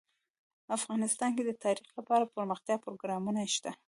افغانستان کې د تاریخ لپاره دپرمختیا پروګرامونه شته.